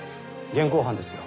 現行犯ですよ